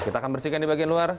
kita akan bersihkan di bagian luar